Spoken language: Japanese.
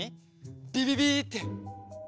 ビビビッて。